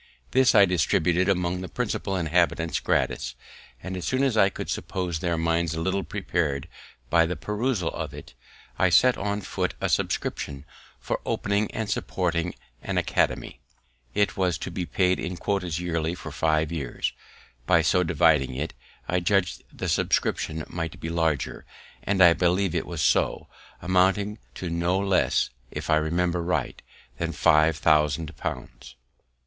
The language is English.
This I distributed among the principal inhabitants gratis; and as soon as I could suppose their minds a little prepared by the perusal of it, I set on foot a subscription for opening and supporting an academy; it was to be paid in quotas yearly for five years; by so dividing it, I judg'd the subscription might be larger, and I believe it was so, amounting to no less, if I remember right, than five thousand pounds.